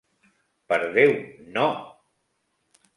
Per Déu, no!